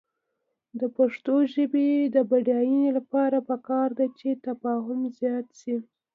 د پښتو ژبې د بډاینې لپاره پکار ده چې تفاهم زیات شي.